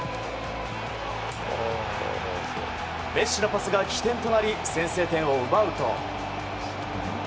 メッシのパスが起点となり先制点を奪うと。